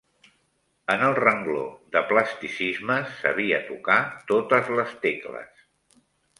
En el rengló de plasticismes sabia tocar totes les tecles.